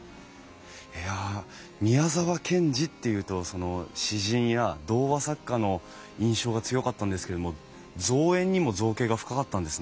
いや宮沢賢治っていうと詩人や童話作家の印象が強かったんですけれども造園にも造詣が深かったんですね。